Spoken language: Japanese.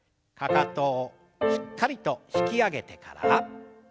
かかとをしっかりと引き上げてから。